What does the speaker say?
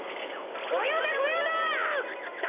ごようだごようだ！